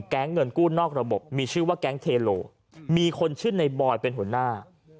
เงินกู้นอกระบบมีชื่อว่าแก๊งเทโลมีคนชื่อในบอยเป็นหัวหน้า